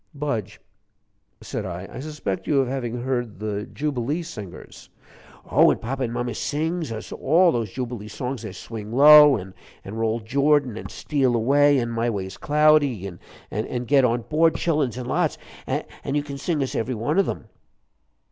"Budge," said I, "I suspect you of having heard the Jubilee Singers." "Oh, and papa and mama sings us all those Jubilee songs there's 'Swing Low,' an' 'Roll Jordan,' an' 'Steal Away,' an' 'My Way's Cloudy,' an' 'Get on Board, Childuns,' an' lots. An' you can sing us every one of 'em."